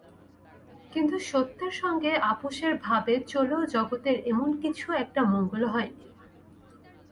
কিন্তু সত্যের সঙ্গে আপসের ভাবে চলেও জগতের এমন কিছু একটা মঙ্গল হয়নি।